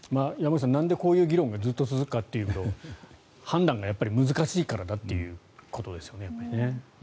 山口さん、なんでこういう議論が続くかというと判断がやっぱり難しいからだっていうことですよね。